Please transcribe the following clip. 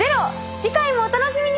次回もお楽しみに！